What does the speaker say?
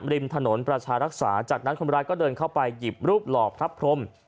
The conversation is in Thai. ริมถนนประชารักษาจากนั้นคนร้ายก็เดินเข้าไปหยิบรูปหลอกพระพรม